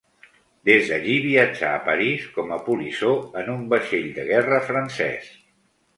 Des d'allí viatja a París com a polissó en un vaixell de guerra francès.